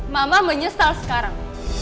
mama menyesal sekarang